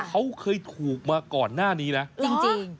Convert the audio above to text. เขาเคยถูกมาก่อนหน้านี้นะจริง